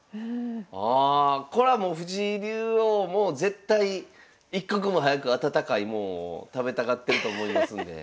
ああこれはもう藤井竜王も絶対一刻も早く温かいもんを食べたがってると思いますんで。